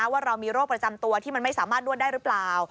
ว่าเรามีโรคประจำตัวที่มันไม่สามารถนวดได้หรือเปล่า